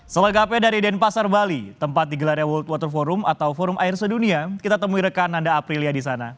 selengkapnya dari denpasar bali tempat digelarnya world water forum atau forum air sedunia kita temui rekan anda aprilia di sana